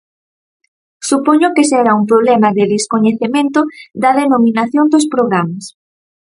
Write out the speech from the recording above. Supoño que será un problema de descoñecemento da denominación dos programas.